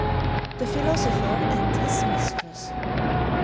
THE PHILOSOPHER AND HIS MISTRESS.